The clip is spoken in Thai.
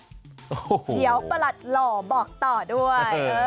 เดี๋ยวประหลัดหล่อบอกต่อด้วย